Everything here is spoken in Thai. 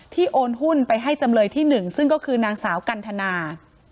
โอนหุ้นไปให้จำเลยที่๑ซึ่งก็คือนางสาวกันทนา